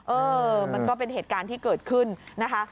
เออมันก็เป็นเหตุการณ์ที่เกิดขึ้นนะคะ